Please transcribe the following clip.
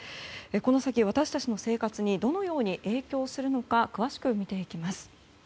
この先、私たちの生活にどのように影響するのか詳しく見ていきます。